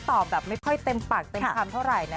ตอบแบบไม่ค่อยเต็มปากเต็มคำเท่าไหร่นะ